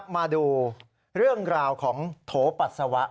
มาดูเรื่องราวของโถปัสสาวะ